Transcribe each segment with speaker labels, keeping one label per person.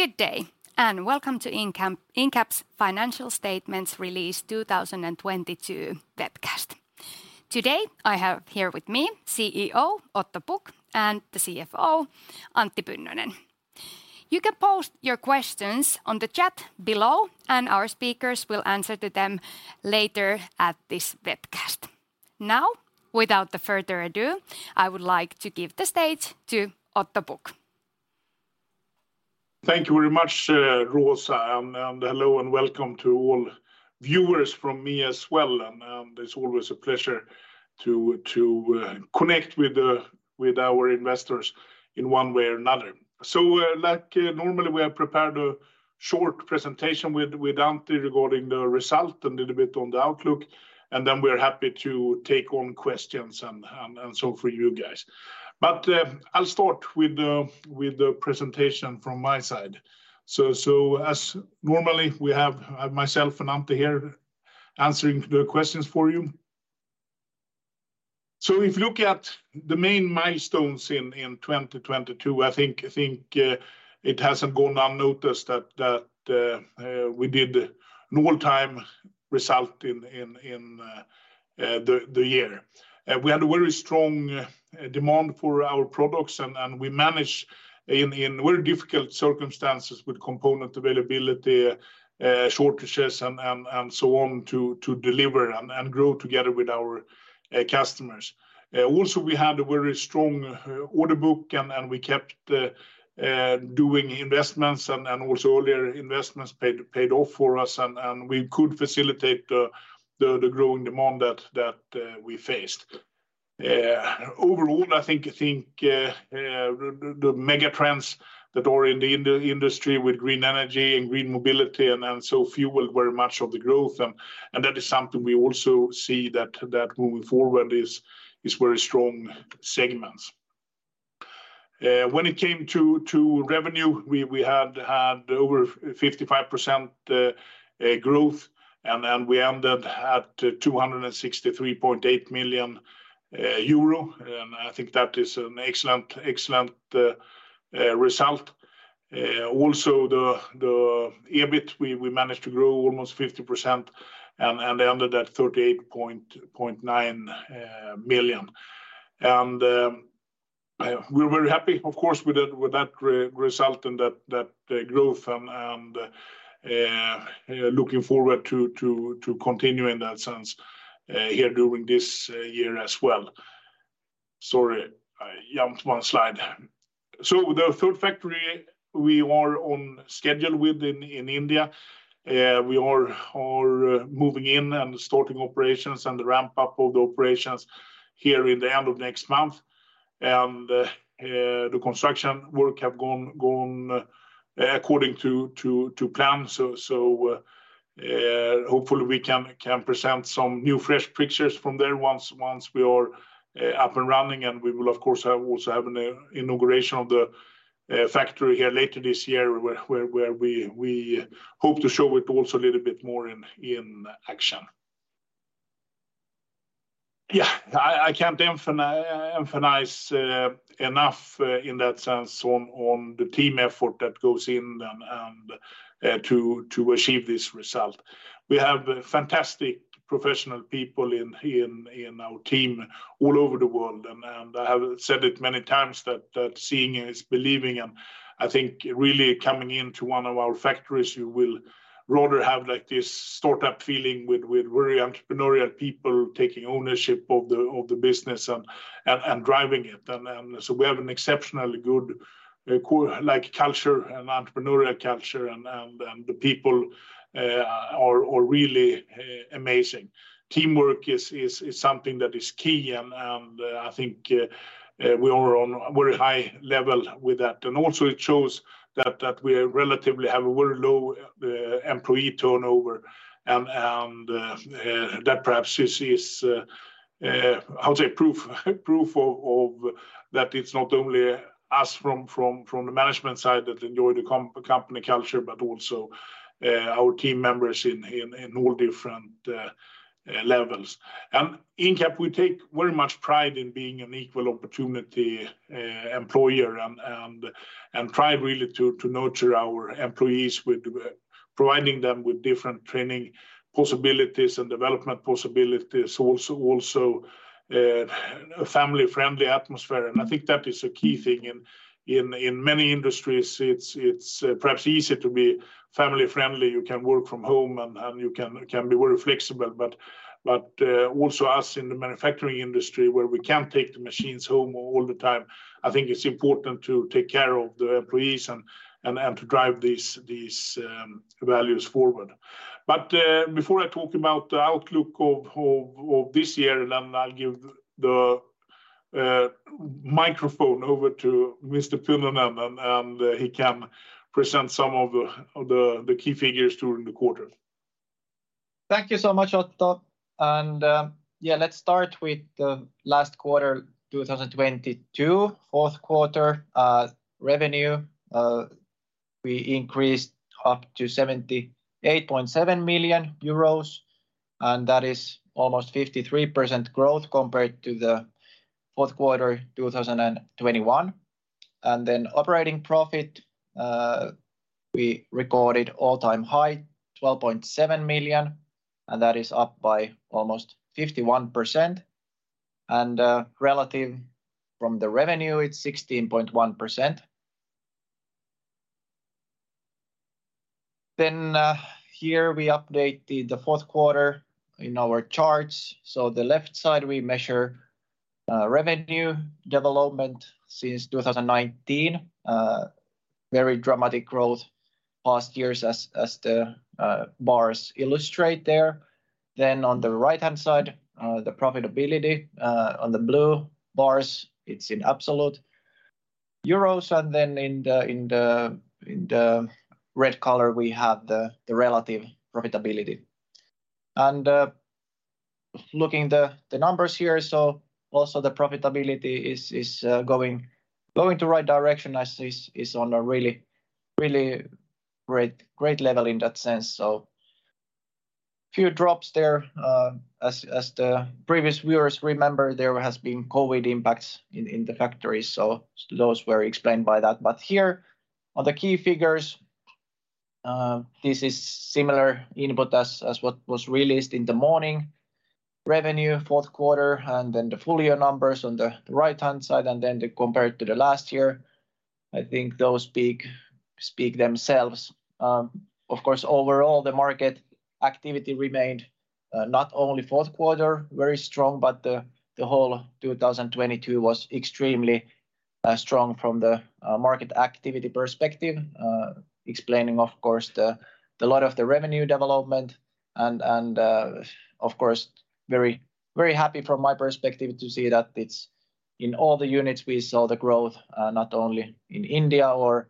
Speaker 1: Good day, welcome to Incap's Financial Statements Release 2022 webcast. Today, I have here with me CEO Otto Pukk and the CFO Antti Pynnönen. You can post your questions on the chat below, and our speakers will answer to them later at this webcast. Without the further ado, I would like to give the stage to Otto Pukk.
Speaker 2: Thank you very much, Rosa, and hello and welcome to all viewers from me as well. It's always a pleasure to connect with our investors in one way or another. Like normally, we have prepared a short presentation with Antti regarding the result, a little bit on the outlook, and then we're happy to take on questions and so for you guys. I'll start with the presentation from my side. As normally, we have myself and Antti here answering the questions for you. If you look at the main milestones in 2022, I think it hasn't gone unnoticed that we did an all-time result in the year. We had a very strong demand for our products and we managed in very difficult circumstances with component availability, shortages and so on to deliver and grow together with our customers. Also, we had a very strong order book and we kept doing investments and also earlier investments paid off for us and we could facilitate the growing demand that we faced. Overall, I think, the mega trends that are in the industry with green energy and green mobility and so fuel very much of the growth and that is something we also see that moving forward is very strong segments. When it came to revenue, we had over 55% growth, we ended at 263.8 million euro. I think that is an excellent result. Also the EBIT, we managed to grow almost 50% and ended at 38.9 million. We're very happy of course with that result and that growth and looking forward to continue in that sense here during this year as well. Sorry, I jumped one slide. The third factory we are on schedule with in India. We are moving in and starting operations and the ramp up of the operations here in the end of next month. The construction work have gone according to plan. Hopefully we can present some new fresh pictures from there once we are up and running. We will of course have, also have an inauguration of the factory here later this year where we hope to show it also a little bit more in action. Yeah, I can't emphasize enough in that sense on the team effort that goes in and to achieve this result. We have fantastic professional people in our team all over the world and I have said it many times that seeing is believing and I think really coming into one of our factories, you will rather have like this startup feeling with very entrepreneurial people taking ownership of the business and driving it. We have an exceptionally good like culture and entrepreneurial culture and the people are really amazing. Teamwork is something that is key and I think we are on a very high level with that. Also it shows that we are relatively have a very low employee turnover and that perhaps is how to say? Proof of that it's not only us from the management side that enjoy the company culture, but also our team members in all different levels. Incap, we take very much pride in being an equal opportunity employer and try really to nurture our employees with providing them with different training possibilities and development possibilities. Also, a family-friendly atmosphere, and I think that is a key thing in many industries. It's perhaps easier to be family-friendly. You can work from home and you can be very flexible. Also us in the manufacturing industry, where we can't take the machines home all the time, I think it's important to take care of the employees and to drive these values forward. Before I talk about the outlook of this year, I'll give the microphone over to Mr. Pynnönen. He can present some of the key figures during the quarter.
Speaker 3: Thank you so much, Otto. Yeah, let's start with the last quarter, 2022. Fourth quarter, revenue, we increased up to 78.7 million euros. That is almost 53% growth compared to the fourth quarter 2021. Operating profit, we recorded all-time high, 12.7 million, and that is up by almost 51%. Relative from the revenue, it's 16.1%. Here we updated the fourth quarter in our charts. So the left side we measure revenue development since 2019. Very dramatic growth past years as the bars illustrate there. On the right-hand side, the profitability, on the blue bars, it's in absolute euros. In the red color we have the relative profitability. Looking the numbers here, so also the profitability is going to right direction as this is on a really great level in that sense. Few drops there. As the previous viewers remember, there has been COVID impacts in the factories, so those were explained by that. Here are the key figures. This is similar input as what was released in the morning. Revenue, fourth quarter, and then the full year numbers on the right-hand side, and then the compared to the last year. I think those speak themselves. Of course, overall, the market activity remained, not only fourth quarter very strong, but the whole 2022 was extremely strong from the market activity perspective. Explaining, of course, the lot of the revenue development and, of course, very, very happy from my perspective to see that it's in all the units we saw the growth, not only in India or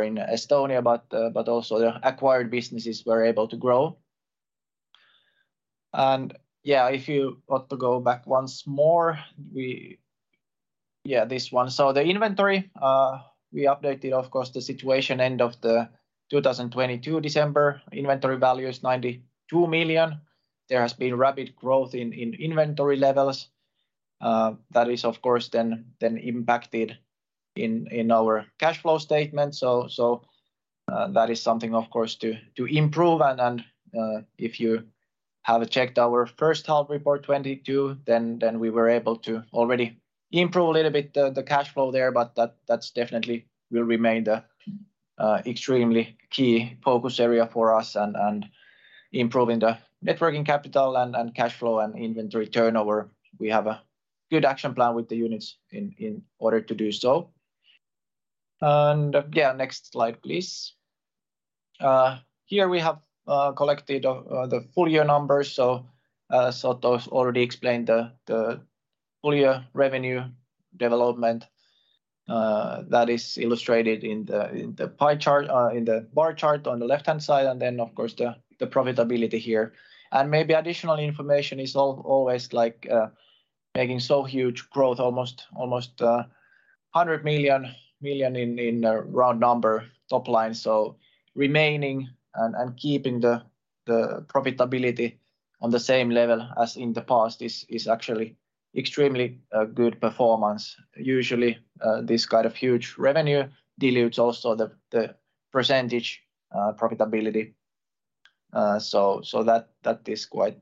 Speaker 3: in Estonia, but also the acquired businesses were able to grow. Yeah, if you want to go back once more, Yeah, this one. The inventory, we updated, of course, the situation end of 2022 December. Inventory value is 92 million. There has been rapid growth in inventory levels. That is, of course, then impacted in our cash flow statement. That is something, of course, to improve. If you have checked our first half report 2022, we were able to already improve a little bit the cash flow there, but that's definitely will remain the extremely key focus area for us and improving the net working capital and cash flow and inventory turnover. We have a good action plan with the units in order to do so. Next slide, please. Here we have collected the full year numbers. Otto's already explained the full year revenue development that is illustrated in the pie chart, in the bar chart on the left-hand side and then of course the profitability here. Maybe additional information is always like making so huge growth almost 100 million in round number top line. Remaining and keeping the profitability on the same level as in the past is actually extremely good performance. Usually, this kind of huge revenue dilutes also the percentage profitability. That is quite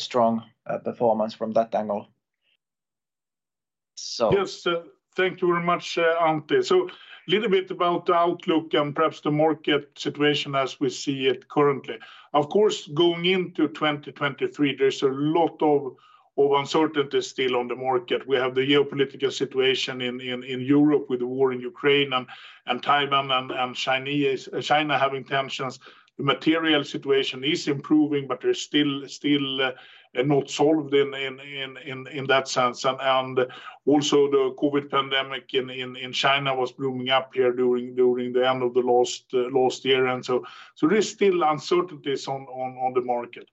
Speaker 3: strong performance from that angle.
Speaker 2: Yes. Thank you very much, Antti. Little bit about the outlook and perhaps the market situation as we see it currently. Of course, going into 2023, there's a lot of uncertainty still on the market. We have the geopolitical situation in Europe with the war in Ukraine and Taiwan and China having tensions. The material situation is improving, but they're still not solved in that sense. Also the COVID pandemic in China was blooming up here during the end of the last year. There is still uncertainties on the market.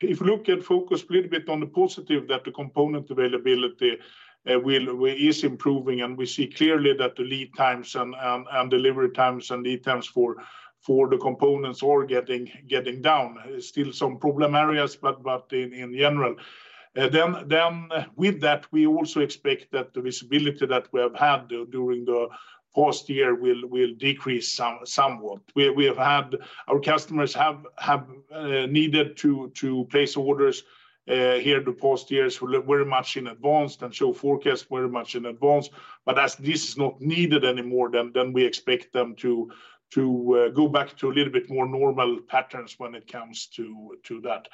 Speaker 2: If you look at focus a little bit on the positive that the component availability is improving and we see clearly that the lead times and delivery times and lead times for the components are getting down. There's still some problem areas but in general. Then with that, we also expect that the visibility that we have had during the past year will decrease somewhat. We have had. Our customers have needed to place orders here the past years very much in advance and show forecast very much in advance. As this is not needed anymore, then we expect them to go back to a little bit more normal patterns when it comes to that.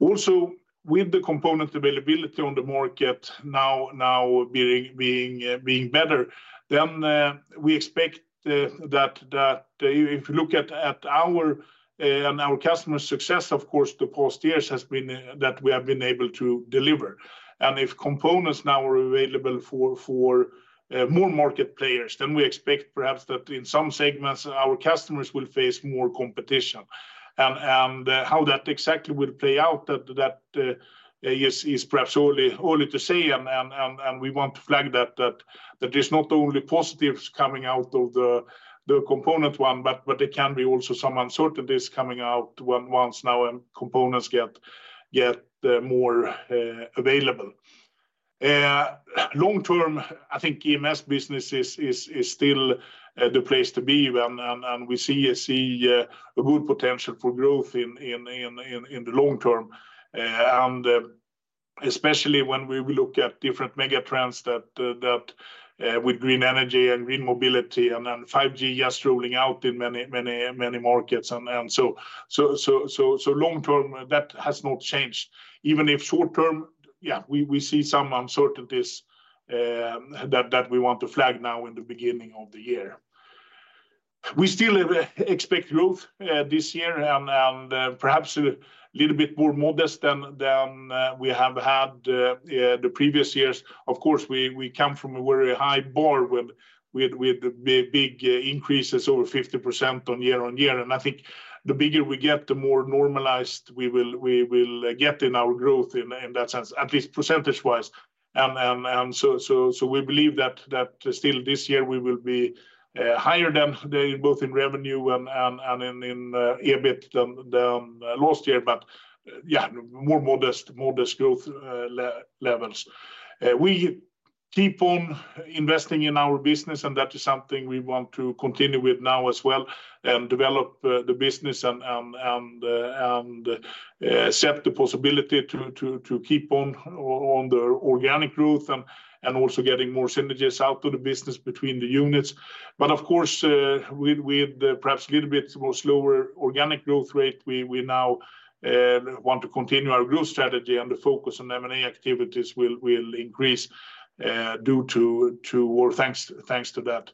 Speaker 2: Also, with the component availability on the market now being better, then we expect that if you look at our and our customer success, of course, the past years has been that we have been able to deliver. If components now are available for more market players, then we expect perhaps that in some segments our customers will face more competition. How that exactly will play out, that is perhaps early to say, and we want to flag that there is not only positives coming out of the component one, but there can be also some uncertainties coming out once now components get more available. Long term, I think EMS business is still the place to be and we see a good potential for growth in the long term. Especially when we look at different mega trends that with green energy and green mobility and 5G just rolling out in many markets, so long term that has not changed. Even if short term, we see some uncertainties that we want to flag now in the beginning of the year. We still expect growth this year and perhaps a little bit more modest than we have had the previous years. Of course, we come from a very high bar with the big increases over 50% year-on-year. I think the bigger we get, the more normalized we will get in our growth in that sense, at least percentage-wise. We believe that still this year we will be higher than both in revenue and in EBIT than last year. Yeah, more modest growth levels. We keep on investing in our business, and that is something we want to continue with now as well and develop the business and accept the possibility to keep on the organic growth and also getting more synergies out to the business between the units. Of course, with perhaps a little bit more slower organic growth rate, we now want to continue our growth strategy and the focus on M&A activities will increase due to or thanks to that.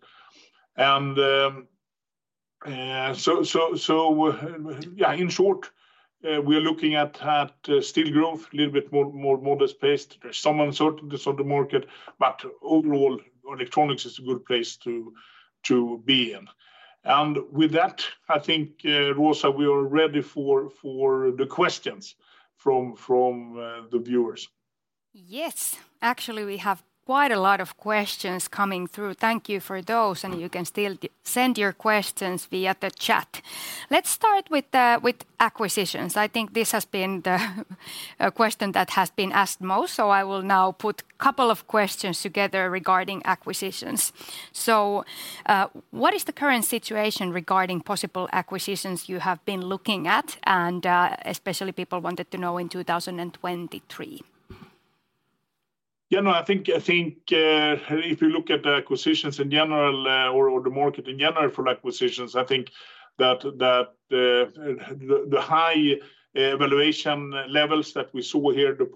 Speaker 2: Yeah, in short, we're looking at still growth, a little bit more modest paced. There's some uncertainties on the market, but overall, electronics is a good place to be in. With that, I think, Rosa, we are ready for the questions from the viewers.
Speaker 1: Yes. Actually, we have quite a lot of questions coming through. Thank you for those, and you can still send your questions via the chat. Let's start with acquisitions. I think this has been the question that has been asked most, so I will now put a couple of questions together regarding acquisitions. What is the current situation regarding possible acquisitions you have been looking at and, especially people wanted to know in 2023?
Speaker 2: No, I think if you look at the acquisitions in general, or the market in general for acquisitions, I think that the high valuation levels that we saw here the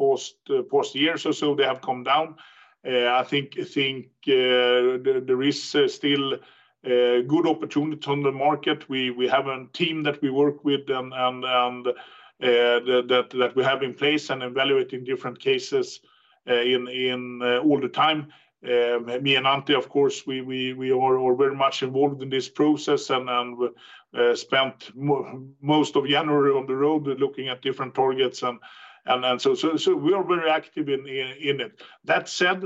Speaker 2: past year or so, they have come down. I think there is still good opportunity on the market. We have a team that we work with and that we have in place and evaluating different cases all the time. Me and Antti, of course, we are all very much involved in this process and spent most of January on the road looking at different targets and then so we are very active in it. That said,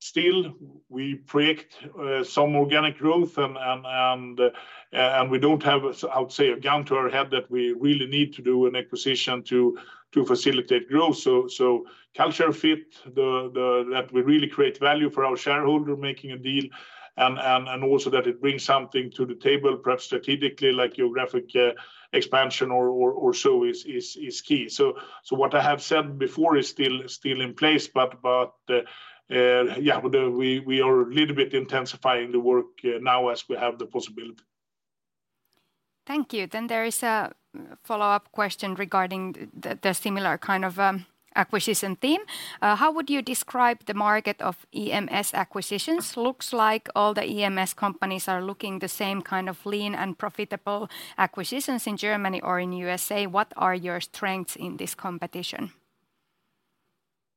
Speaker 2: still we predict some organic growth and we don't have a, I would say, a gun to our head that we really need to do an acquisition to facilitate growth. Culture fit, that we really create value for our shareholder making a deal and also that it brings something to the table, perhaps strategically like geographic expansion or so is key. What I have said before is still in place. Yeah, we are a little bit intensifying the work now as we have the possibility.
Speaker 1: Thank you. There is a follow-up question regarding the similar kind of acquisition theme. How would you describe the market of EMS acquisitions? Looks like all the EMS companies are looking the same kind of lean and profitable acquisitions in Germany or in USA. What are your strengths in this competition?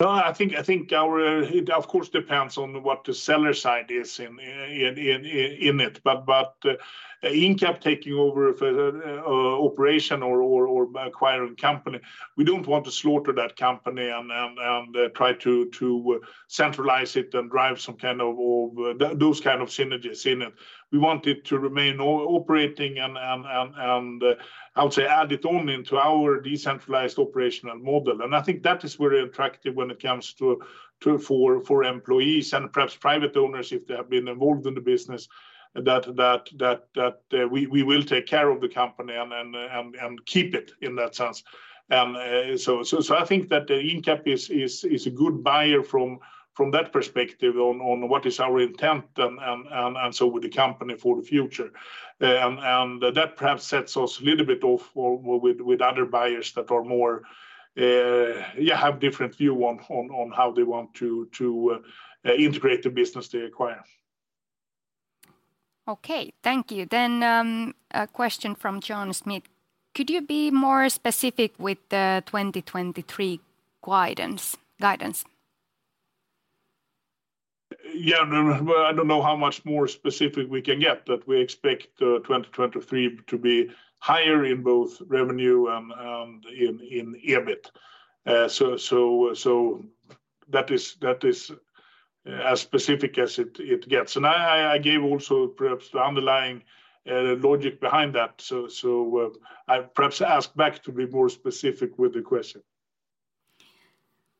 Speaker 2: I think it of course depends on what the seller side is in it, but Incap taking over for operation or acquiring company, we don't want to slaughter that company and try to centralize it and drive some kind of those kind of synergies in it. We want it to remain operating and I would say add it only into our decentralized operational model. I think that is very attractive when it comes to for employees and perhaps private owners if they have been involved in the business, that we will take care of the company and keep it in that sense. So I think that Incap is a good buyer from that perspective on what is our intent and so with the company for the future. That perhaps sets us a little bit off with other buyers that are more, yeah, have different view on how they want to integrate the business they acquire.
Speaker 1: Okay. Thank you. A question from John Smith. Could you be more specific with the 2023 guidance?
Speaker 2: Yeah. I don't know how much more specific we can get, but we expect 2023 to be higher in both revenue and in EBIT. That is as specific as it gets. I gave also perhaps the underlying logic behind that. I perhaps ask back to be more specific with the question.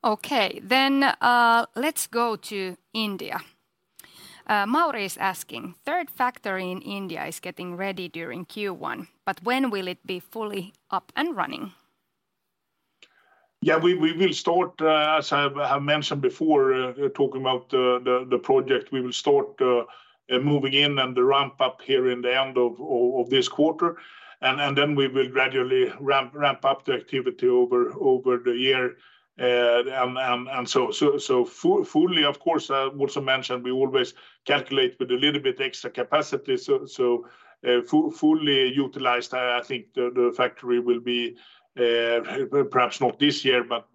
Speaker 1: Okay. Let's go to India. Mauri is asking, third factory in India is getting ready during Q1, when will it be fully up and running?
Speaker 2: Yeah, we will start, as I have mentioned before, talking about the project. We will start, moving in and the ramp up here in the end of this quarter. We will gradually ramp up the activity over the year. Fully, of course, I also mentioned we always calculate with a little bit extra capacity. Fully utilized, I think the factory will be, perhaps not this year but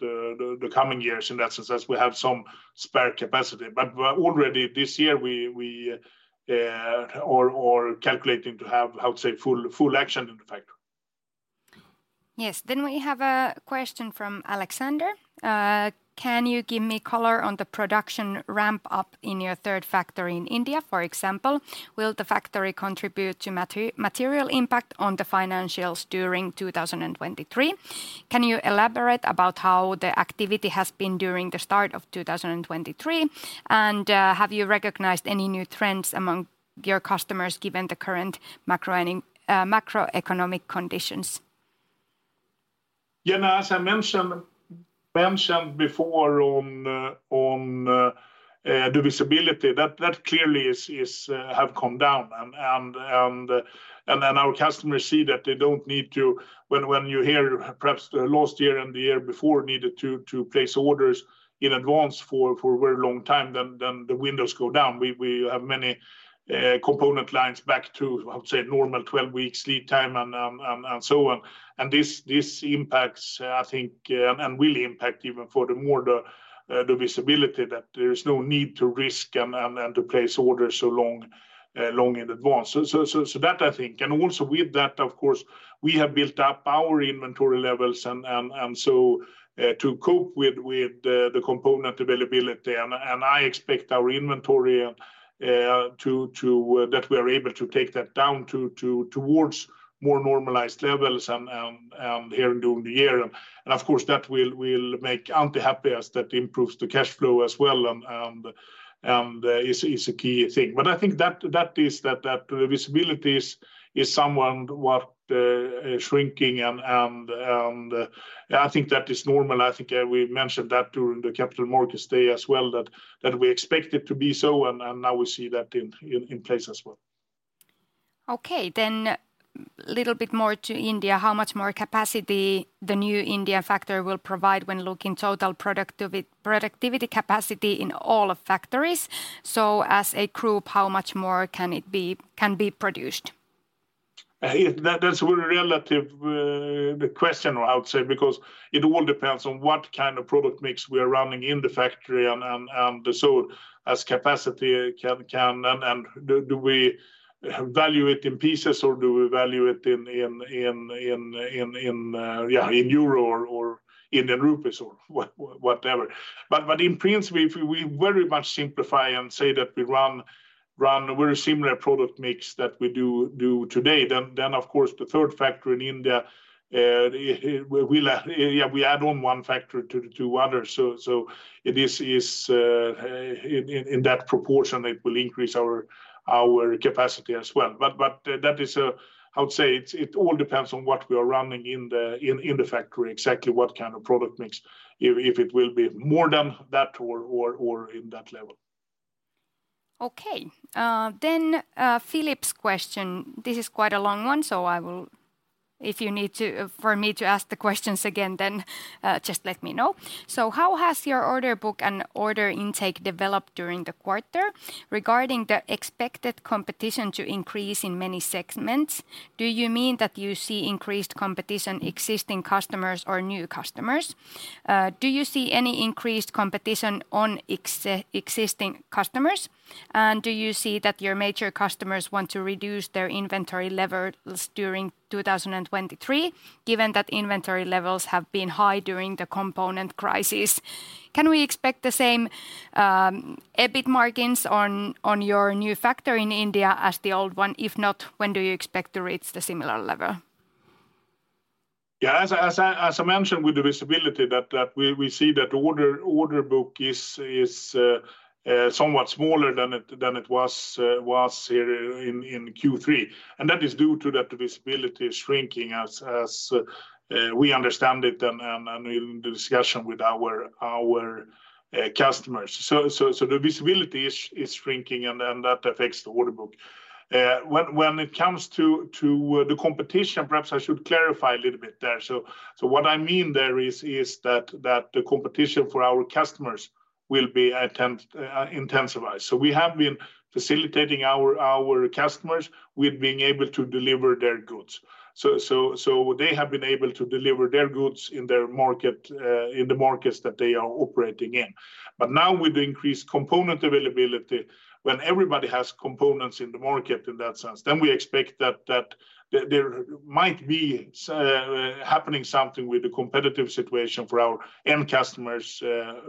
Speaker 2: the coming years in that sense, as we have some spare capacity. Already this year we are calculating to have, how to say, full action in the factory.
Speaker 1: Yes. We have a question from Alexander. Can you give me color on the production ramp up in your third factory in India? For example, will the factory contribute to material impact on the financials during 2023? Can you elaborate about how the activity has been during the start of 2023? Have you recognized any new trends among your customers given the current macroeconomic conditions?
Speaker 2: Yeah, as I mentioned before on the visibility, that clearly is have come down. Our customers see that they don't need to. When you hear perhaps the last year and the year before needed to place orders in advance for a very long time, then the windows go down. We have many component lines back to, how to say, normal 12 weeks lead time and so on. This impacts I think and will impact even furthermore the visibility that there is no need to risk and to place orders so long long in advance. Also with that, of course, we have built up our inventory levels to cope with the component availability. I expect our inventory that we are able to take that down towards more normalized levels here during the year. Of course, that will make Antti happy as that improves the cash flow as well and is a key thing. I think that visibility is somewhat shrinking and I think that is normal. I think we mentioned that during the Capital Markets Day as well that we expect it to be so, and now we see that in place as well.
Speaker 1: Okay. Little bit more to India. How much more capacity the new India factory will provide when looking total productivity capacity in all factories? As a group, how much more can be produced?
Speaker 2: That's a very relative question I would say because it all depends on what kind of product mix we are running in the factory and so as capacity can. Do we value it in pieces or do we value it in euro or Indian rupees or whatever. In principle, if we very much simplify and say that we run a very similar product mix that we do today, then of course the third factory in India, we'll add on one factory to other. It is in that proportion it will increase our capacity as well. That is, I would say it all depends on what we are running in the factory, exactly what kind of product mix, if it will be more than that or in that level.
Speaker 1: Okay. Philip's question. This is quite a long one. If you need to, for me to ask the questions again, just let me know. How has your order book and order intake developed during the quarter? Regarding the expected competition to increase in many segments, do you mean that you see increased competition existing customers or new customers? Do you see any increased competition on existing customers? Do you see that your major customers want to reduce their inventory levels during 2023 given that inventory levels have been high during the component crisis? Can we expect the same EBIT margins on your new factory in India as the old one? If not, when do you expect to reach the similar level?
Speaker 2: As I mentioned with the visibility that we see that order book is somewhat smaller than it was here in Q3. That is due to that visibility shrinking as we understand it and in discussion with our customers. The visibility is shrinking and that affects the order book. When it comes to the competition, perhaps I should clarify a little bit there. What I mean there is that the competition for our customers will be intensified. We have been facilitating our customers with being able to deliver their goods. They have been able to deliver their goods in their market, in the markets that they are operating in. Now with the increased component availability, when everybody has components in the market in that sense, then we expect that there might be happening something with the competitive situation for our end customers',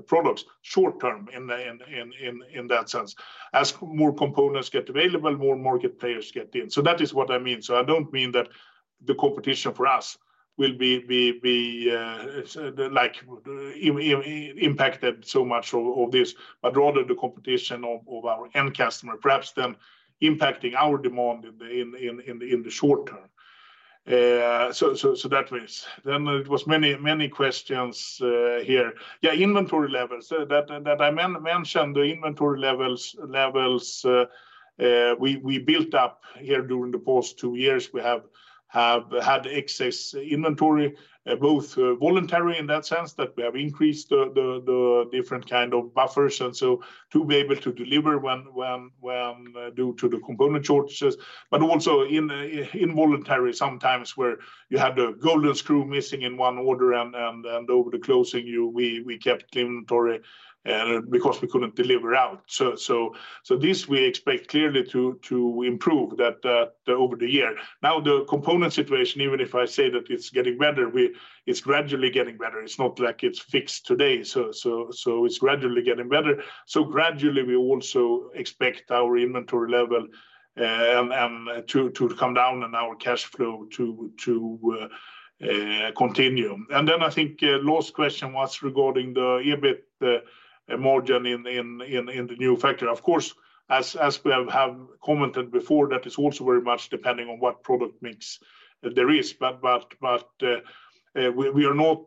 Speaker 2: products short term in that sense. As more components get available, more market players get in. That is what I mean. I don't mean that the competition for us will be like impacted so much of this, but rather the competition of our end customer, perhaps then impacting our demand in the short term. That was. It was many questions here. Inventory levels that I mentioned, the inventory levels we built up here during the past two years. We have had excess inventory, both voluntary in that sense, that we have increased the different kind of buffers, and so to be able to deliver when due to the component shortages. Also involuntary sometimes, where you have the golden screw missing in one order and over the closing we kept inventory because we couldn't deliver out. This we expect clearly to improve that over the year. The component situation, even if I say that it's getting better, it's gradually getting better. It's not like it's fixed today. It's gradually getting better. Gradually we also expect our inventory level to come down and our cashflow to continue. Then I think last question was regarding the EBIT margin in the new factory. Of course, as we have commented before, that is also very much depending on what product mix there is. We are not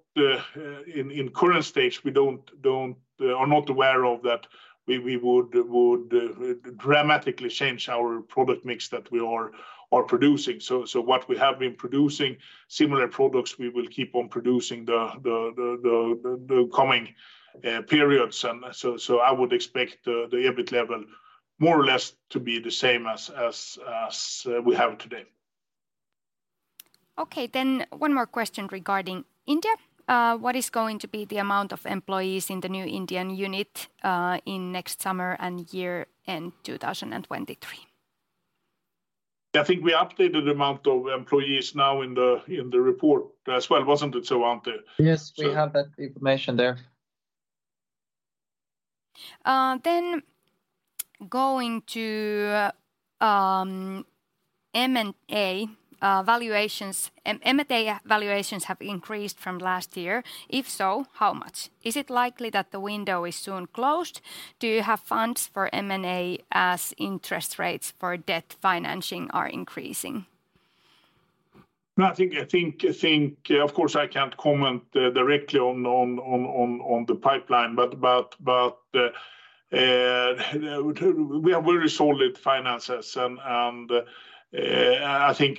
Speaker 2: in current stage, we are not aware of that we would dramatically change our product mix that we are producing. What we have been producing, similar products we will keep on producing the coming periods. I would expect the EBIT level more or less to be the same as we have today.
Speaker 1: Okay, one more question regarding India. What is going to be the amount of employees in the new Indian unit, in next summer and year end 2023?
Speaker 2: I think we updated the amount of employees now in the, in the report as well, wasn't it so, Antti?
Speaker 3: Yes. We have that information there.
Speaker 1: Going to M&A valuations. M&A valuations have increased from last year. If so, how much? Is it likely that the window is soon closed? Do you have funds for M&A as interest rates for debt financing are increasing?
Speaker 2: No, I think, of course, I can't comment directly on the pipeline, but we have very solid finances and I think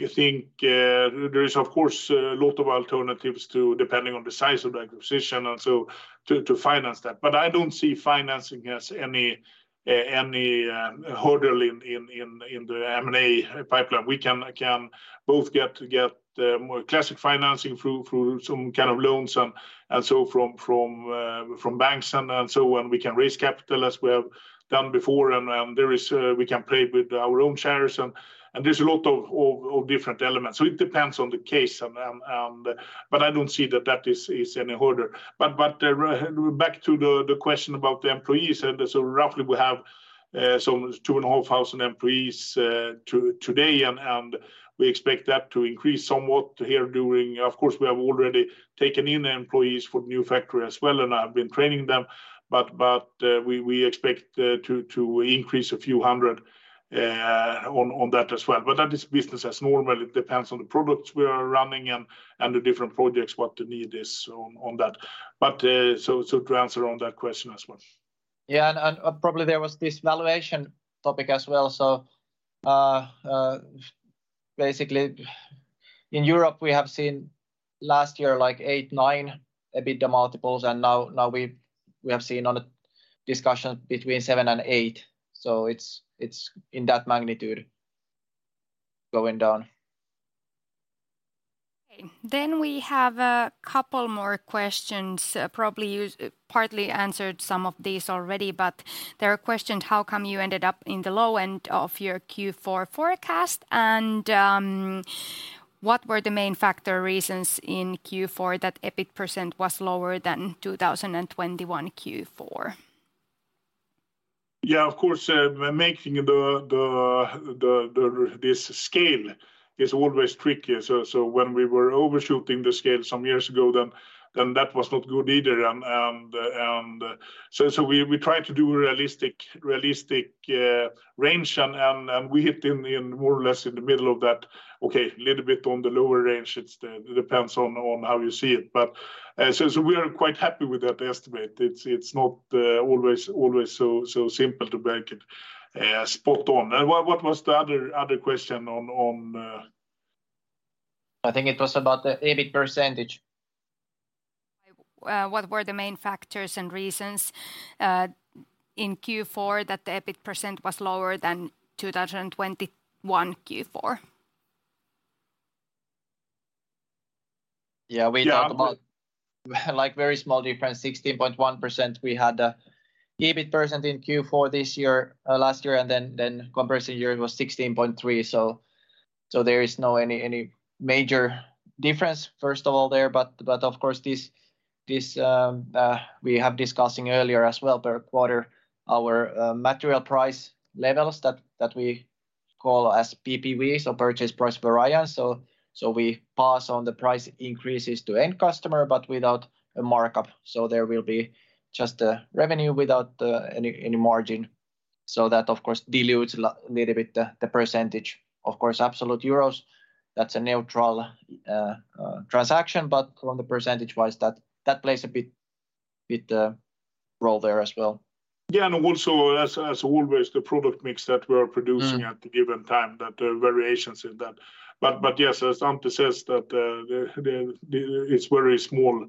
Speaker 2: there is, of course, a lot of alternatives to, depending on the size of the acquisition, and so to finance that. I don't see financing as any hurdle in the M&A pipeline. We can both get more classic financing through some kind of loans and so from banks and so on. We can raise capital as we have done before and there is, we can play with our own shares and there's a lot of different elements. It depends on the case and. I don't see that is any harder. Back to the question about the employees. Roughly we have some 2,500 employees today, and we expect that to increase somewhat here. Of course, we have already taken in employees for new factory as well, and have been training them, we expect to increase a few hundred on that as well. That is business as normal. It depends on the products we are running and the different projects, what the need is on that. To answer on that question as well.
Speaker 3: Yeah. Probably there was this valuation topic as well. Basically, in Europe we have seen last year like 8x, 9x EBITDA, and now we have seen on a discussion between 7x and 8x, so it's in that magnitude going down.
Speaker 1: Okay. We have a couple more questions. Probably you partly answered some of these already, but there are questions how come you ended up in the low end of your Q4 forecast? What were the main factor reasons in Q4 that EBIT percent was lower than 2021 Q4?
Speaker 2: Yeah, of course, making this scale is always tricky. When we were overshooting the scale some years ago, then that was not good either. We try to do realistic range and we hit more or less in the middle of that. A little bit on the lower range, it depends on how you see it. We are quite happy with that estimate. It's not always so simple to make it spot on. What was the other question on?
Speaker 3: I think it was about the EBIT percentage.
Speaker 1: What were the main factors and reasons, in Q4 that the EBIT percent was lower than 2021 Q4?
Speaker 3: Yeah. We talked about like very small difference, 16.1% we had EBIT percent in Q4 this year, last year. Comparison year it was 16.3%. There is no any major difference first of all there. Of course this, we have discussing earlier as well per quarter our material price levels that we call as PPVs or purchase price variance. We pass on the price increases to end customer, but without a markup, so there will be just the revenue without any margin. That of course dilutes little bit the percentage. Of course, absolute euros, that's a neutral transaction, from the percentage-wise, that plays a bit role there as well.
Speaker 2: Yeah, also, as always, the product mix that we are producing at the given time, that there are variations in that. Yes, as Antti says that it's very small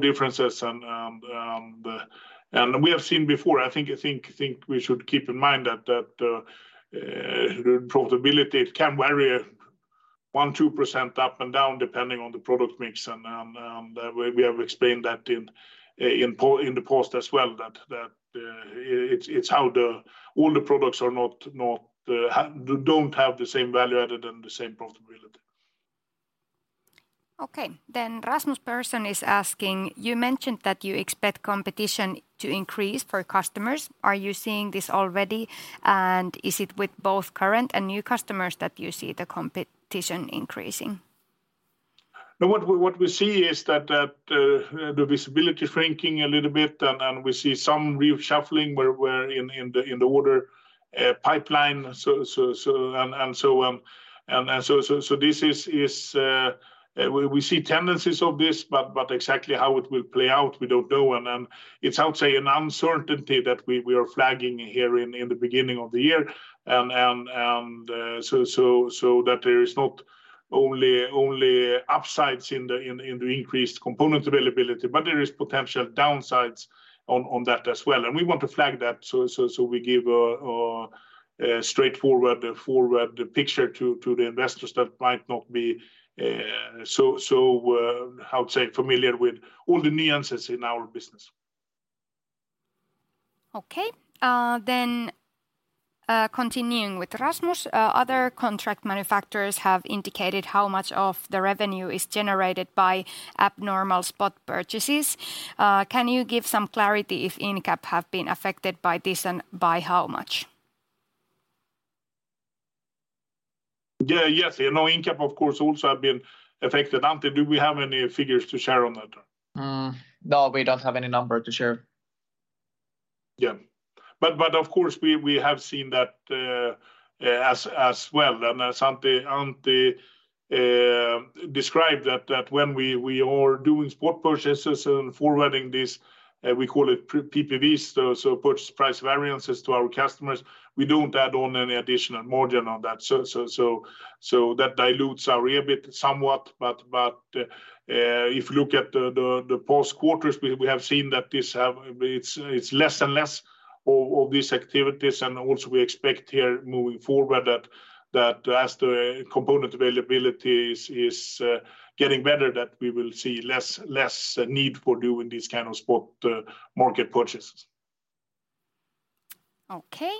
Speaker 2: differences. We have seen before, I think we should keep in mind that profitability can vary 1%-2% up and down depending on the product mix. We have explained that in the post as well that it's how all the products are not don't have the same value added and the same profitability.
Speaker 1: Okay. Rasmus Persson is asking, "You mentioned that you expect competition to increase for customers. Are you seeing this already, and is it with both current and new customers that you see the competition increasing?
Speaker 2: No, what we see is that the visibility is shrinking a little bit, and we see some reshuffling where in the order pipeline. We see tendencies of this, but exactly how it will play out, we don't know. It's, I would say, an uncertainty that we are flagging here in the beginning of the year, that there is not only upsides in the increased component availability, but there is potential downsides on that as well, and we want to flag that. We give a straightforward picture to the investors that might not be so, I would say, familiar with all the nuances in our business.
Speaker 1: Okay. Continuing with Rasmus, "Other contract manufacturers have indicated how much of the revenue is generated by abnormal spot purchases. Can you give some clarity if Incap have been affected by this, and by how much?
Speaker 2: Yeah. Yes, you know, Incap of course also have been affected. Antti, do we have any figures to share on that?
Speaker 3: No, we don't have any number to share.
Speaker 2: Yeah. Of course we have seen that as well. As Antti described that when we are doing spot purchases and forwarding this, we call it PPVs, so purchase price variances to our customers, we don't add on any additional margin on that. So that dilutes our EBIT somewhat. But if you look at the past quarters, we have seen that it's less and less of these activities. Also we expect here moving forward that as the component availability is getting better, that we will see less need for doing these kind of spot market purchases.
Speaker 1: Okay.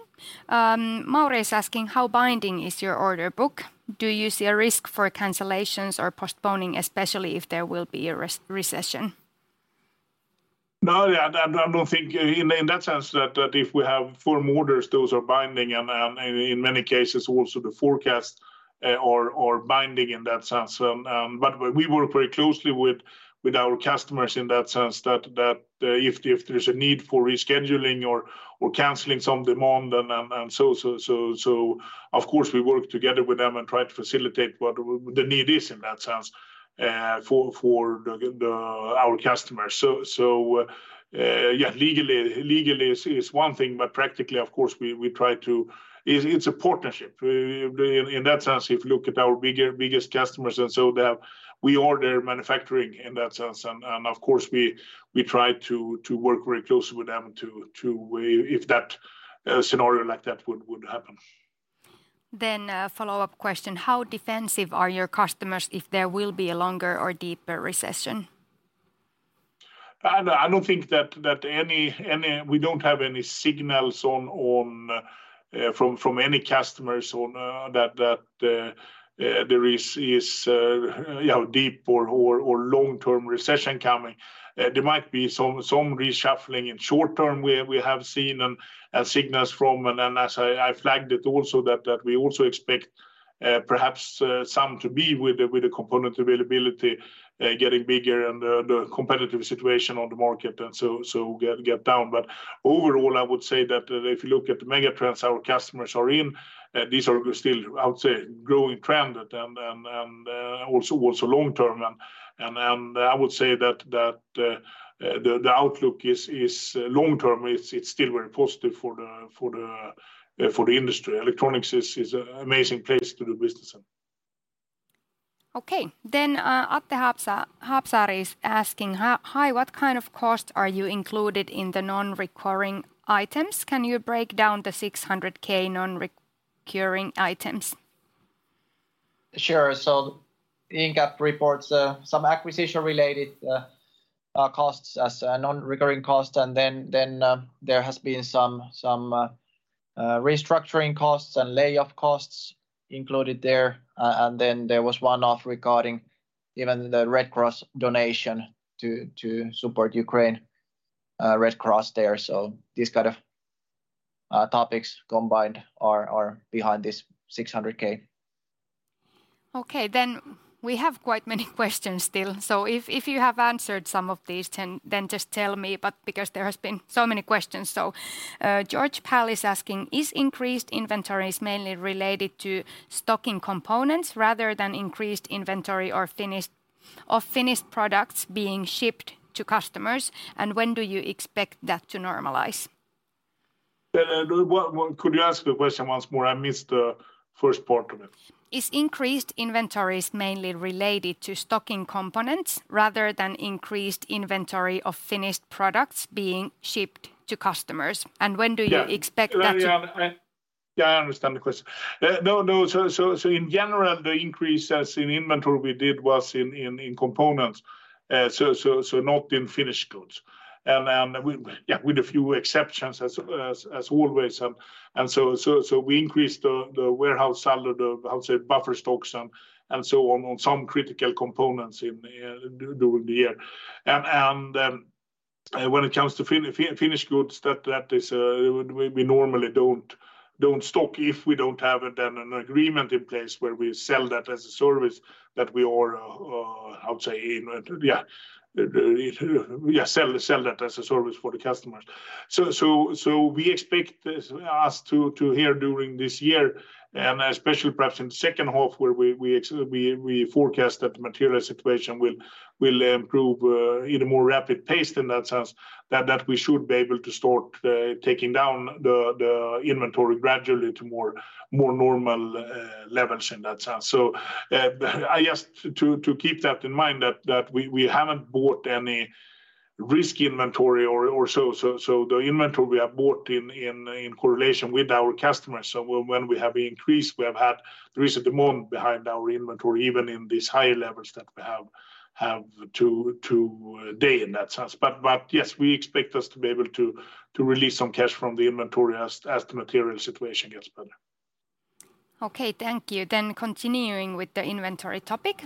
Speaker 1: Mauri is asking, "How binding is your order book? Do you see a risk for cancellations or postponing, especially if there will be a recession?
Speaker 2: No, yeah. I don't think in that sense that if we have firm orders, those are binding and in many cases also the forecast are binding in that sense. We work very closely with our customers in that sense that if there's a need for rescheduling or canceling some demand, so of course we work together with them and try to facilitate what the need is in that sense for our customers. Yeah, legally is one thing, practically, of course, we try to. It's a partnership. In that sense, if you look at our bigger, biggest customers they have.. We are their manufacturing in that sense. Of course we try to work very closely with them to, if that scenario like that would happen.
Speaker 1: A follow-up question, "How defensive are your customers if there will be a longer or deeper recession?
Speaker 2: I don't think that we don't have any signals on from any customers on that there is, you know, deep or long-term recession coming. There might be some reshuffling in short-term where we have seen and signals from. As I flagged it also that we also expect perhaps some to be with the component availability getting bigger and the competitive situation on the market and so get down. Overall, I would say that if you look at the mega trends our customers are in, these are still, I would say, growing trend and also long-term. I would say that the outlook is long-term. It's still very positive for the, for the, for the industry. Electronics is an amazing place to do business in.
Speaker 1: Okay. Haapsaari is asking, "Hi, what kind of cost are you included in the non-recurring items? Can you break down the 600,000 non-recurring items?
Speaker 3: Sure. Incap reports, some acquisition-related costs as a non-recurring cost. Then there has been some restructuring costs and layoff costs included there. Then there was one off regarding even the Red Cross donation to support Ukraine. Red Cross there. These kind of topics combined are behind this 600,000.
Speaker 1: Okay. We have quite many questions still. If you have answered some of these, then just tell me. Because there has been so many questions. George Pal is asking, "Is increased inventories mainly related to stocking components rather than increased inventory or finished products being shipped to customers? And when do you expect that to normalize?
Speaker 2: Could you ask the question once more? I missed the first part of it.
Speaker 1: Is increased inventories mainly related to stocking components rather than increased inventory of finished products being shipped to customers? When do you expect that.
Speaker 2: Yeah, I understand the question. No, in general, the increase as in inventory we did was in components, not in finished goods. Yeah, with a few exceptions as always. We increased the warehouse sale of, how to say, buffer stocks and so on some critical components during the year. When it comes to finished goods, that is, we normally don't stock if we don't have then an agreement in place where we sell that as a service that we are, how to say, in. Yeah, sell that as a service for the customers. We expect this as to here during this year. Especially perhaps in the second half where we forecast that the material situation will improve in a more rapid pace in that sense, that we should be able to start taking down the inventory gradually to more normal levels in that sense. To keep that in mind that we haven't bought any risk inventory or so, the inventory we have bought in correlation with our customers. When we have increased, we have had there is a demand behind our inventory, even in these higher levels that we have to date in that sense. Yes, we expect us to be able to release some cash from the inventory as the material situation gets better.
Speaker 1: Okay, thank you. Continuing with the inventory topic.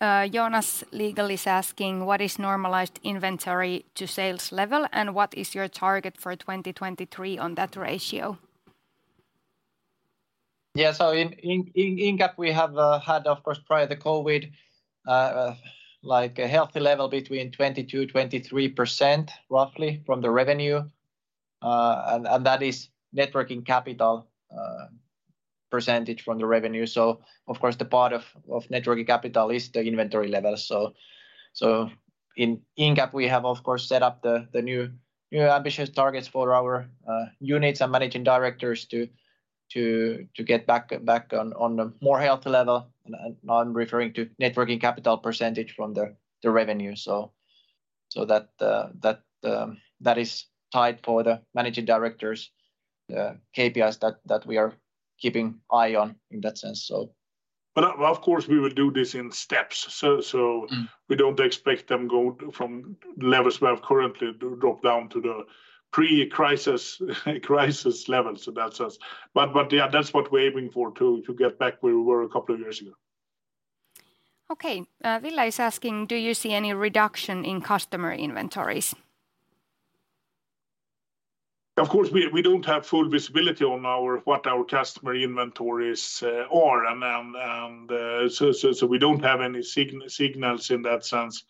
Speaker 1: Joonas Ilvonen is asking, "What is normalized inventory to sales level, and what is your target for 2023 on that ratio?
Speaker 3: Yeah. In Incap, we have had, of course, prior the COVID, like a healthy level between 22%-23% roughly from the revenue. That is net working capital percentage from the revenue. In Incap, we have of course set up the new ambitious targets for our units and managing directors to get back on a more healthy level. I'm referring to net working capital percentage from the revenue. That is tied for the managing director's KPIs that we are keeping eye on in that sense, so.
Speaker 2: of course we will do this in steps we don't expect them go from levels we have currently to drop down to the pre-crisis, crisis levels in that sense. Yeah, that's what we're aiming for, to get back where we were a couple of years ago.
Speaker 1: Okay. Villa is asking, "Do you see any reduction in customer inventories?
Speaker 2: Of course, we don't have full visibility on our, what our customer inventories are. So we don't have any signals in that sense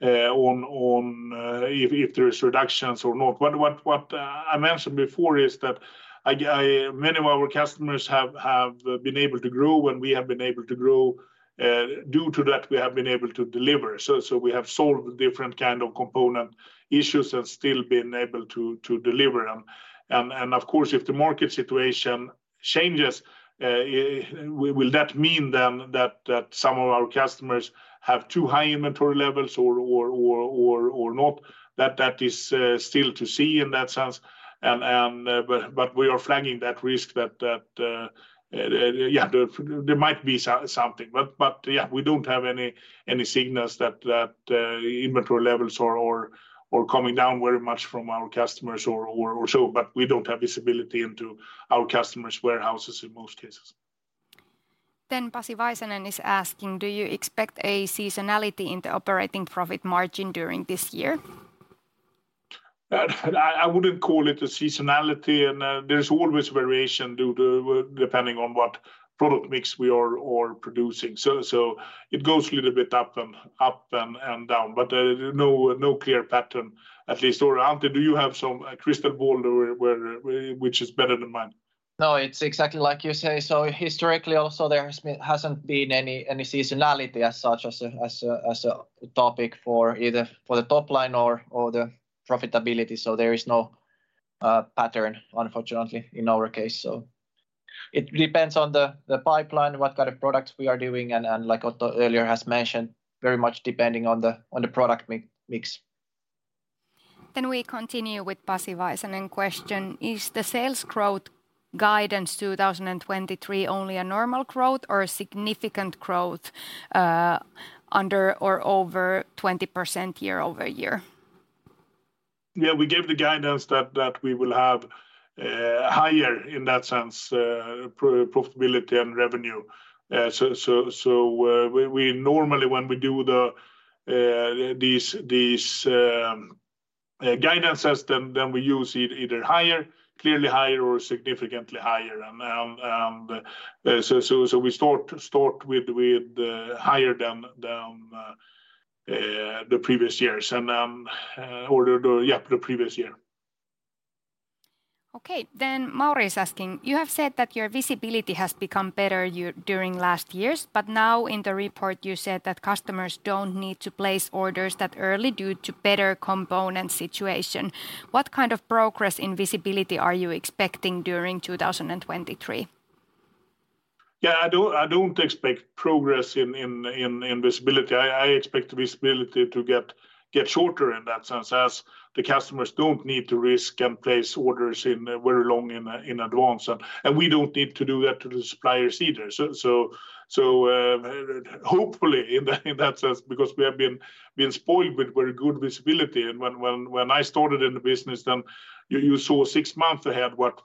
Speaker 2: on if there's reductions or not. What I mentioned before is that I many of our customers have been able to grow and we have been able to grow. Due to that, we have been able to deliver. We have solved different kind of component issues and still been able to deliver them. Of course, if the market situation changes, will that mean then that some of our customers have too high inventory levels or not? That is still to see in that sense. We are flagging that risk that, yeah, there might be something. Yeah, we don't have any signals that, inventory levels are coming down very much from our customers or so. We don't have visibility into our customers' warehouses in most cases.
Speaker 1: Pasi Väisänen is asking, "Do you expect a seasonality in the operating profit margin during this year?
Speaker 2: I wouldn't call it a seasonality, and there's always variation due to... depending on what product mix we're producing. It goes a little bit up and down. No clear pattern at least. Antti, do you have some crystal ball where is better than mine?
Speaker 3: No, it's exactly like you say. Historically also there hasn't been any seasonality as such, as a topic for either for the top line or the profitability. There is no pattern unfortunately in our case. It depends on the pipeline, what kind of products we are doing and like Otto earlier has mentioned, very much depending on the product mix.
Speaker 1: We continue with Pasi Väisänen question, "Is the sales growth guidance 2023 only a normal growth or a significant growth, under or over 20% year-over-year?
Speaker 2: We gave the guidance that we will have higher in that sense profitability and revenue. We normally when we do the these guidance system than we use either higher, clearly higher or significantly higher. We start with higher than the previous years or the, yeah, the previous year.
Speaker 1: Okay. Mauri is asking, "You have said that your visibility has become better during last years, but now in the report you said that customers don't need to place orders that early due to better component situation. What kind of progress in visibility are you expecting during 2023?
Speaker 2: Yeah, I don't expect progress in visibility. I expect visibility to get shorter in that sense as the customers don't need to risk and place orders in very long in advance. We don't need to do that to the suppliers either. Hopefully in that sense, because we have been spoiled with very good visibility. When I started in the business then you saw six months ahead what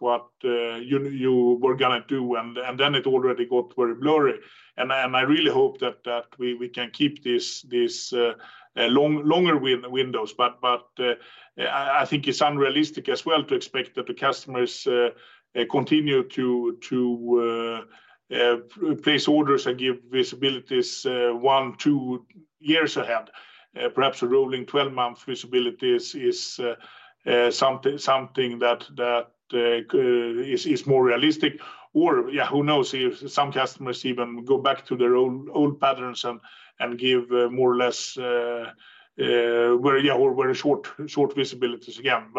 Speaker 2: you were gonna do, and then it already got very blurry. I really hope that we can keep this long-longer win-windows. I think it's unrealistic as well to expect that the customers continue to place orders and give visibilities one, two years ahead. Perhaps a rolling 12-month visibility is something that is more realistic. Yeah, who knows if some customers even go back to their own old patterns and give more or less, very, yeah, or very short visibilities again.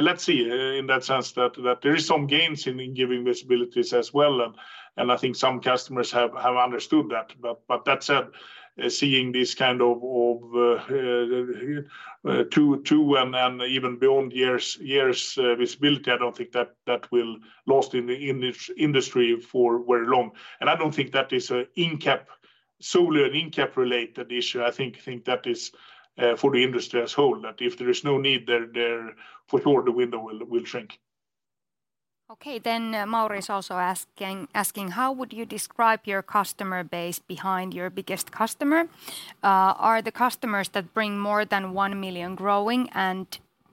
Speaker 2: Let's see in that sense that there is some gains in giving visibilities as well. I think some customers have understood that. That said, seeing this kind of, two and then even beyond years visibility, I don't think that will last in the industry for very long. I don't think that is a Incap, solely an Incap-related issue. I think that is for the industry as whole, that if there is no need, their foreword window will shrink.
Speaker 1: Okay. Mauri is also asking, "How would you describe your customer base behind your biggest customer? Are the customers that bring more than 1 million growing, and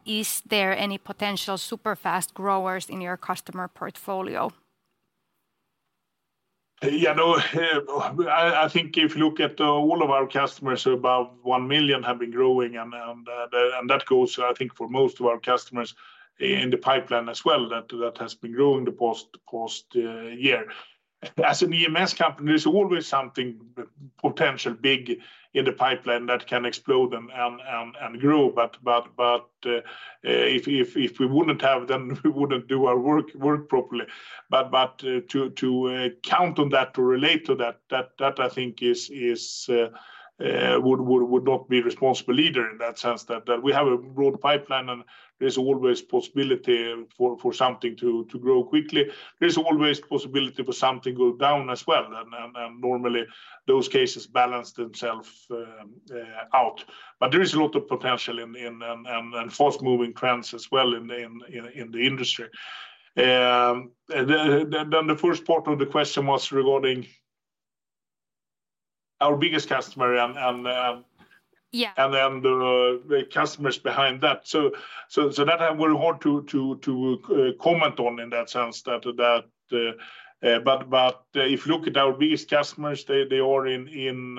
Speaker 1: is there any potential super fast growers in your customer portfolio?
Speaker 2: No, I think if you look at all of our customers, above 1 million have been growing, and that goes I think for most of our customers in the pipeline as well, that has been growing the past year. As an EMS company, there's always something potential big in the pipeline that can explode and grow. If we wouldn't have, then we wouldn't do our work properly. To count on that, to relate to that, I think would not be responsible either in that sense. We have a broad pipeline and there's always possibility for something to grow quickly. There's always possibility for something go down as well. Normally those cases balance themselves out. There is a lot of potential in, and fast-moving trends as well in the industry. The first part of the question was regarding our biggest customer and then the customers behind that. So that I would want to comment on in that sense that. If you look at our biggest customers, they are in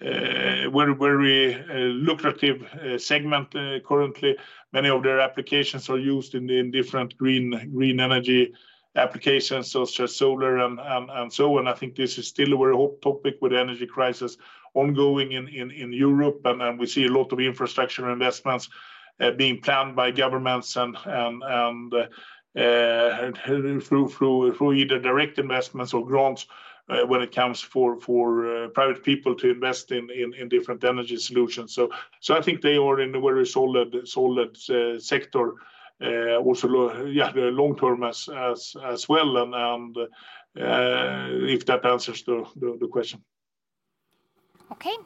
Speaker 2: a very lucrative segment currently. Many of their applications are used in different green energy applications, such as solar and so on. I think this is still a very hot topic with energy crisis ongoing in Europe. Then we see a lot of infrastructure investments being planned by governments and through either direct investments or grants when it comes for private people to invest in different energy solutions. I think they are in a very solid sector, also yeah, the long term as well, and if that answers the question.
Speaker 1: Okay.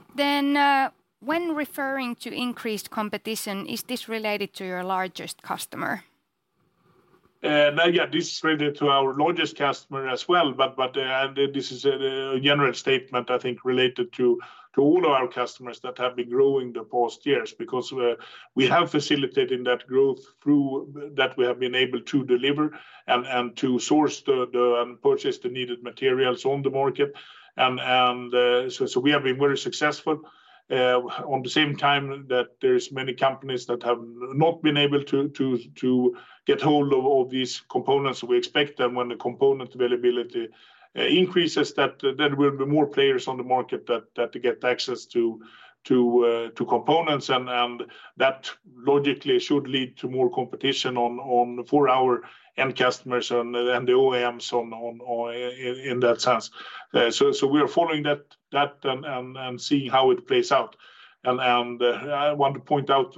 Speaker 1: when referring to increased competition, is this related to your largest customer?
Speaker 2: Yeah, this is related to our largest customer as well, but this is a general statement I think related to all of our customers that have been growing the past years. We have facilitated that growth through that we have been able to deliver and to source the and purchase the needed materials on the market. So we have been very successful. On the same time that there's many companies that have not been able to get hold of all these components, we expect that when the component availability increases, that there will be more players on the market that get access to components. That logically should lead to more competition on... for our end customers and the OEMs in that sense. We are following that and seeing how it plays out. I want to point out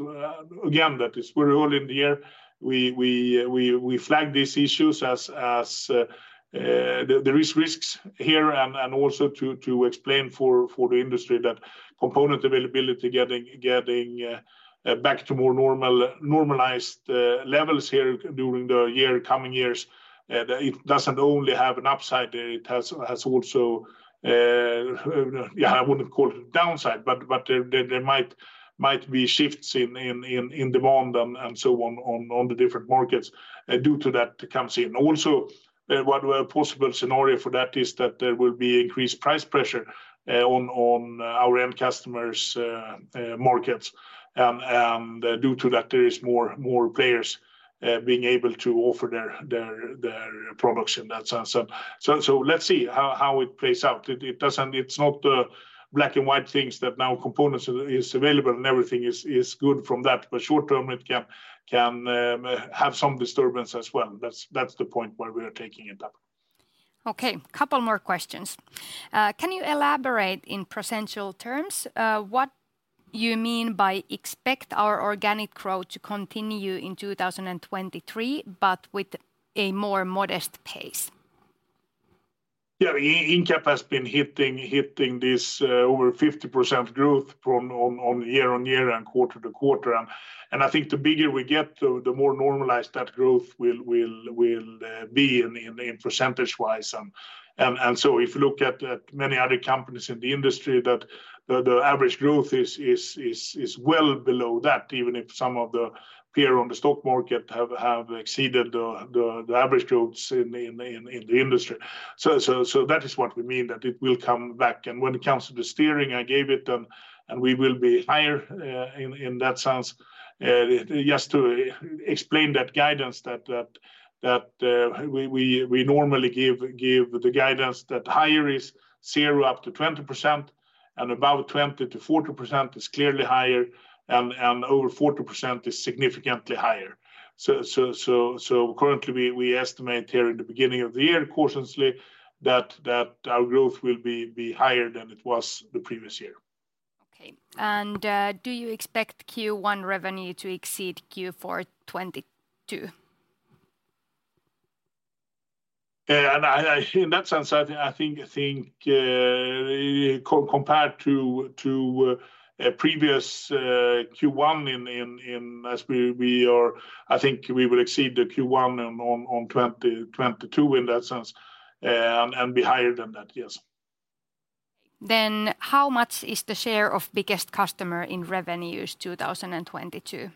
Speaker 2: again that it's very early in the year. We flagged these issues as there is risks here and also to explain for the industry that component availability getting back to more normalized levels here during the year, coming years, it doesn't only have an upside, it has also, yeah, I wouldn't call it a downside, but there might be shifts in demand and so on the different markets due to that comes in. One possible scenario for that is that there will be increased price pressure, on our end customers', markets, due to that there is more players, being able to offer their products in that sense. Let's see how it plays out. It doesn't. It's not black and white things that now components is available and everything is good from that. Short term it can have some disturbance as well. That's the point where we are taking it up.
Speaker 1: Okay, couple more questions. Can you elaborate in percentual terms, what you mean by expect our organic growth to continue in 2023, but with a more modest pace?
Speaker 2: Yeah. Incap has been hitting this over 50% growth from on year on year and quarter to quarter, and I think the bigger we get, the more normalized that growth will be in percentage-wise. If you look at many other companies in the industry that the average growth is well below that, even if some of the peer on the stock market have exceeded the average growths in the industry. That is what we mean that it will come back. When it comes to the steering I gave it, and we will be higher, in that sense, just to explain that guidance that we normally give the guidance that higher is 0% up to 20%, and above 20%-40% is clearly higher, and over 40% is significantly higher. Currently we estimate here in the beginning of the year cautiously that our growth will be higher than it was the previous year.
Speaker 1: Okay. Do you expect Q1 revenue to exceed Q4 2022?
Speaker 2: Yeah. In that sense, I think compared to a previous Q1 as we are. I think we will exceed the Q1 on 2022 in that sense, and be higher than that, yes.
Speaker 1: How much is the share of biggest customer in revenues 2022?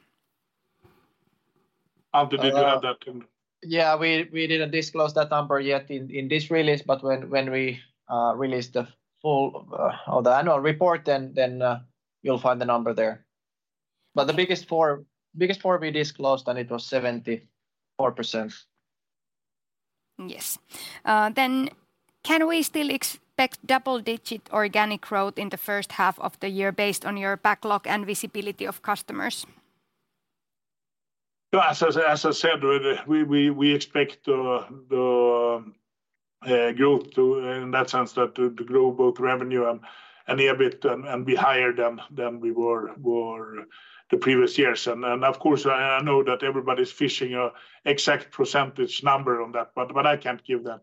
Speaker 2: Antti, did you have that in?
Speaker 3: Yeah. We didn't disclose that number yet in this release, when we release the full or the annual report, then you'll find the number there. The biggest four we disclosed, and it was 74%.
Speaker 1: Yes. Can we still expect double-digit organic growth in the first half of the year based on your backlog and visibility of customers?
Speaker 2: As I said, we expect the growth to, in that sense, to grow both revenue and EBIT and be higher than we were the previous years. Of course, I know that everybody's fishing a exact percentage number on that, but I can't give that.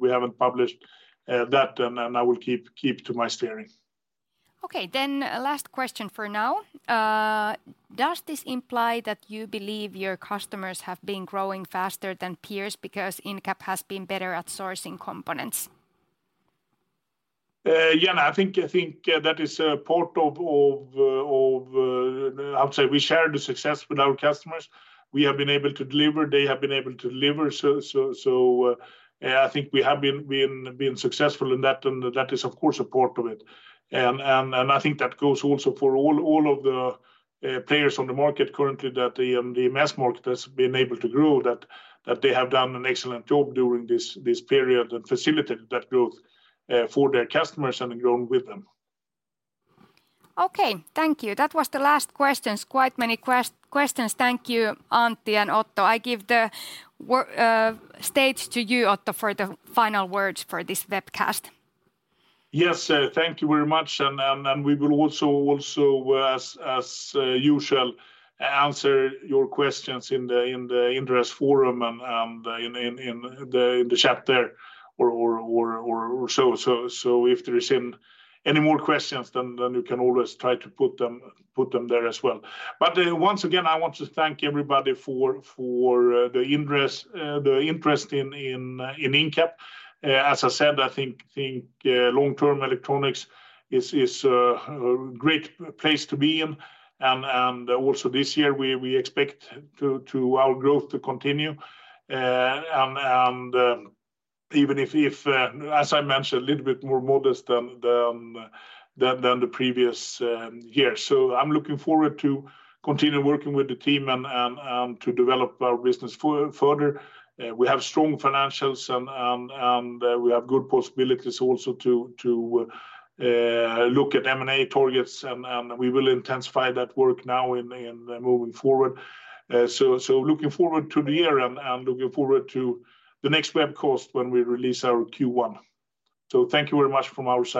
Speaker 2: We haven't published that, and I will keep to my steering.
Speaker 1: Okay. Last question for now. Does this imply that you believe your customers have been growing faster than peers because Incap has been better at sourcing components?
Speaker 2: Yeah, I think that is a part of. I would say we share the success with our customers. We have been able to deliver. They have been able to deliver. Yeah, I think we have been successful in that, and that is, of course, a part of it. I think that goes also for all of the players on the market currently that the mass market has been able to grow that they have done an excellent job during this period and facilitate that growth for their customers and grown with them.
Speaker 1: Okay. Thank you. That was the last questions. Quite many questions. Thank you, Antti and Otto. I give the stage to you, Otto, for the final words for this webcast.
Speaker 2: Yes. Thank you very much. We will also, as usual, answer your questions in the interest forum and in the chat there or so. If there is in any more questions, then you can always try to put them there as well. Once again, I want to thank everybody for the interest in Incap. As I said, I think long-term electronics is a great place to be in. Also this year, we expect our growth to continue. Even if, as I mentioned, a little bit more modest than the previous year. I'm looking forward to continue working with the team and to develop our business further. We have strong financials and we have good possibilities also to look at M&A targets, and we will intensify that work now in moving forward. So looking forward to the year and looking forward to the next webcast when we release our Q1. Thank you very much from our side.